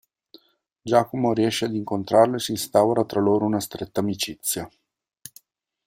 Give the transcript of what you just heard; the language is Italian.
Giacomo riesce ad incontrarlo e si instaura tra loro una stretta amicizia.